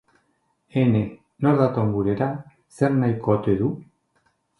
Ene! Nor dator gurera? Zer nahiko ote du?